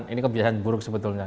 ini kebiasaan buruk sebetulnya